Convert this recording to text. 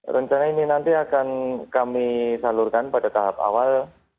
rencana ini nanti akan kami salurkan pada tahap awal